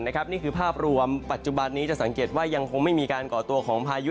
นี่คือภาพรวมปัจจุบันนี้จะสังเกตว่ายังคงไม่มีการก่อตัวของพายุ